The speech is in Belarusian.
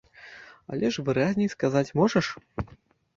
Але ж выразней сказаць можаш?